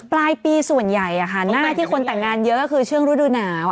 ปลายปีส่วนใหญ่หน้าที่คนแต่งงานเยอะก็คือช่วงฤดูหนาว